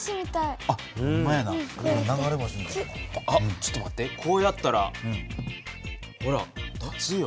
ちょっと待ってこうやったらほら立つよ。